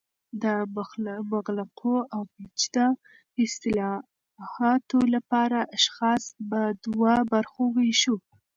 د مغلقو او پیچده اصطالحاتو لپاره اشخاص په دوه برخو ویشو